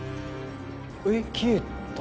えっ消えた。